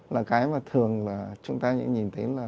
là cái mà thường là chúng ta nhìn thấy là